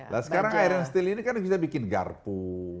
nah sekarang iron steel ini kan kita bikin garpu